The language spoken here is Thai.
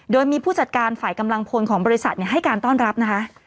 โดยมีผู้จัดการฝ่ายกำลังพลของบริษัทให้การต้อนรับนะคะ